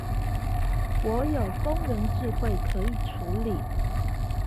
我有工人智慧可以處理